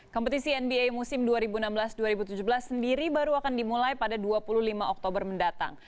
kompetisi nba musim dua ribu enam belas dua ribu tujuh belas sendiri baru akan dimulai pada dua puluh lima oktober mendatang